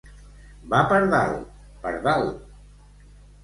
Va per dalt, pardal.